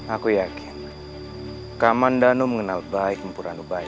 aku yakin kak mandano mengenal baik kempuranubayi